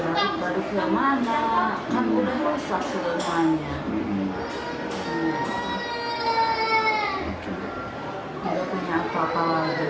ada penyakit apa apa lagi di sana